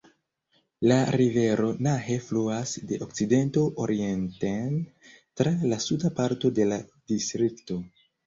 La rivero Nahe fluas de okcidento orienten tra la suda parto de la distrikto.